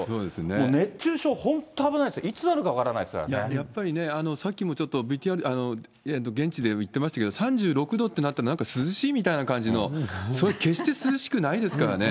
もう熱中症、本当危ないですよ、やっぱりね、さっきもちょっと現地で言ってましたけれども、３６度ってなったら、なんか涼しいみたいな感じの、そういう、決して涼しくないですからね。